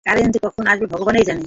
Current যে যখন আসবে ভগবানই জানেন।